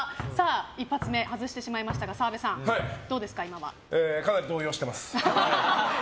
１発目、外してしまいましたがかなり動揺してます。